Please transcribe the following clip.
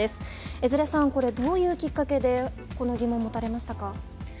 江連さん、これどういうきっかけでこの疑問持たれましたか？